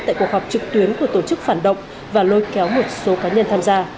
tại cuộc họp trực tuyến của tổ chức phản động và lôi kéo một số cá nhân tham gia